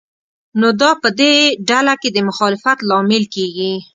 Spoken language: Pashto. نو دا په دې ډله کې د مخالفت لامل کېږي.